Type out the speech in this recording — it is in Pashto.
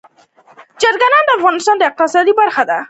چرګان د افغانستان د اقتصاد برخه ده.